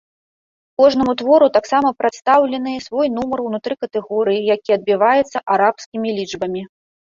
Кожнаму твору таксама прадстаўлены свой нумар ўнутры катэгорыі, які адбіваецца арабскімі лічбамі.